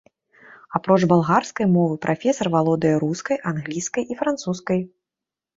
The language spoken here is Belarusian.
Апроч балгарскай мовы, прафесар валодае рускай, англійскай і французскай.